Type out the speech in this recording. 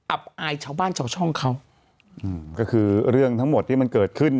อายชาวบ้านชาวช่องเขาอืมก็คือเรื่องทั้งหมดที่มันเกิดขึ้น